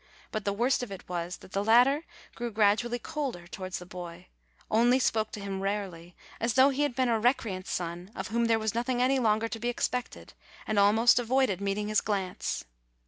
But the worst of it was, that the latter grew gradually colder towards the boy, only spoke to him rarely, as though he had been a rec reant son, of whom there was nothing any longer to be expected, and almost avoided meeting his glance.